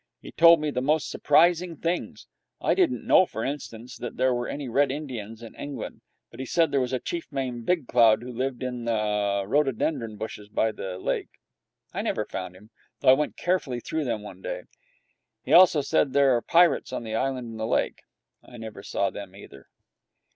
He told me the most surprising things. I didn't know, for instance, that there were any Red Indians in England but he said there was a chief named Big Cloud who lived in the rhododendron bushes by the lake. I never found him, though I went carefully through them one day. He also said that there were pirates on the island in the lake. I never saw them either.